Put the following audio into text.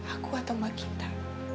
aku atau mbak kinta